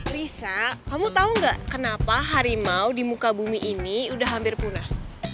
risa kamu tahu nggak kenapa harimau di muka bumi ini udah hampir punah